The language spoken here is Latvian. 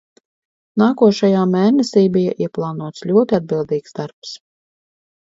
Nākošajā mēnesī bija ieplānots ļoti atbildīgs darbs.